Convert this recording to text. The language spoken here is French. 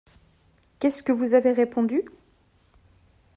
Qu’est-ce que vous avez répondu?